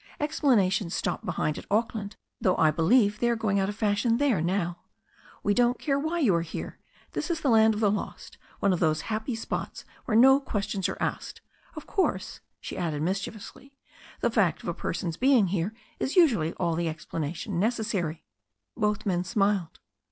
Explanations stop behind at Auckland, though I believe they are going out of fashion there now. We don't THE STORY OF A NEW ZEALAND RIVER 271 care why you are here. This is the land of the lost, one of those happy spots where no questions are asked. Of course," she added mischievously, "the fact of a person's being here is usually all the explanation necessary." Both men smiled.